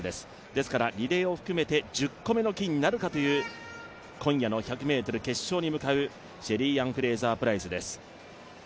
ですからリレーを含めて１０個目の金になるかという今夜の１００ｍ決勝に向かうシェリーアン・フレイザー・プライスです。